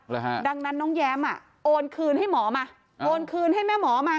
ฮะดังนั้นน้องแย้มอ่ะโอนคืนให้หมอมาโอนคืนให้แม่หมอมา